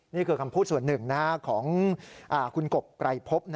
นี่คือคำพูดส่วนหนึ่งของคุณกบไกรพบ